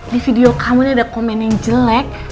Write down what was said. di video kamu ini ada komen yang jelek